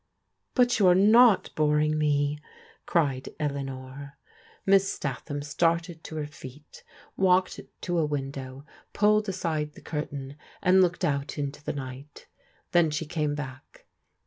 " But you are not boring me I " cried Eleanor. Miss Statham started to her feet, walked to a window, pulled aside the curtain, and looked out into the night Then she came back.